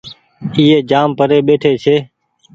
ايئي جآم پري ٻيٽي ڇي